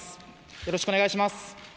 よろしくお願いします。